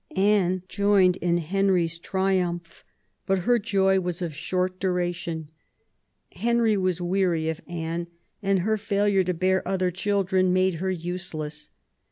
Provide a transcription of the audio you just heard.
Anne joined in Henry's triumph, but her joy was of short duration. Henry was weary of Anne, and her failure to bear other children made her useless.